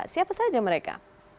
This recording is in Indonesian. siapa saja mereka